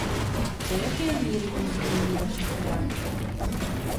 Do jaké míry to změní vaše chování?